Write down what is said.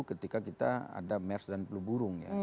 ketika kita ada mers dan peluburung ya